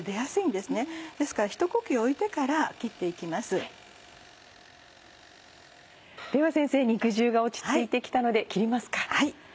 では先生肉汁が落ち着いて来たので切りますか。